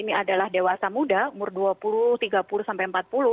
ini adalah dewasa muda umur dua puluh tiga puluh sampai empat puluh